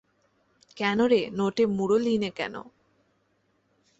কেন রে নটে মুড়োলিনে কেন।